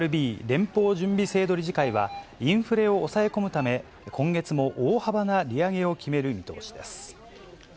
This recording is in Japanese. ＦＲＢ・連邦準備制度理事会は、インフレを抑え込むため、今月も大幅な利上げを決める見通しです。